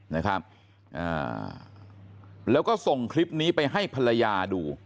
นะครับอ่าแล้วก็ส่งคลิปนี้ไปให้ภรรยาดู